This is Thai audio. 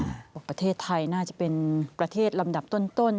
บอกประเทศไทยน่าจะเป็นประเทศลำดับต้น